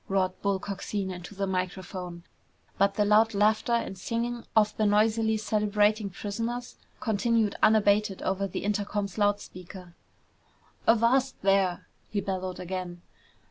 roared Bull Coxine into the microphone, but the loud laughter and singing of the noisily celebrating prisoners continued unabated over the intercom's loud speakers. "Avast there!" he bellowed again.